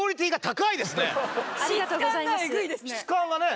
質感がね。